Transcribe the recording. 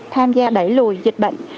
tham gia đẩy lùi dịch bệnh